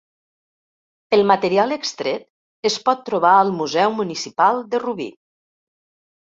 El material extret es pot trobar al Museu Municipal de Rubí.